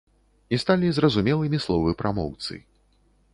І сталі зразумелымі словы прамоўцы.